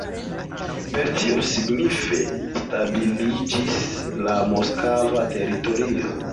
Per tio signife stabiliĝis la moskva teritorio.